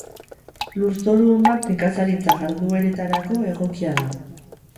Lurzoru on bat nekazaritza jardueretarako egokia da.